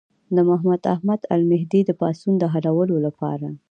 د محمد احمد المهدي د پاڅون د حلولو لپاره.